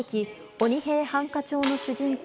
「鬼平犯科帳」の主人公